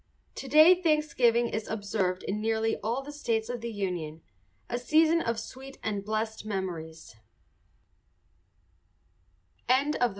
To day Thanksgiving is observed in nearly all the states of the Union, a season of sweet and blessed memories.